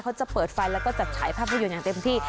เขาจะเปิดไฟแล้วก็จัดฉายภาพยนตร์อย่างเต็มที่